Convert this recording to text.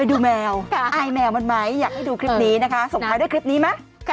ดูแมวอายแมวมันไหมอยากให้ดูคลิปนี้นะคะส่งท้ายด้วยคลิปนี้ไหม